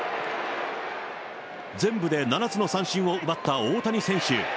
全部で７つの三振を奪った大谷選手。